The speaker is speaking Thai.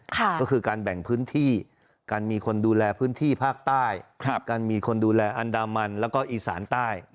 ก็คือการแบ่งพื้นที่การมีคนดูแลพื้นที่ภาคใต้การมีคนดูแลอันดามันแล้วก็อีสานใต้